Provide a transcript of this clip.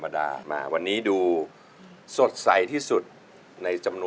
ได้ครับ